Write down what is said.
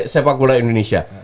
sepak bola indonesia